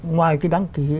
ngoài cái đăng ký